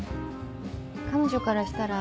彼女からしたら。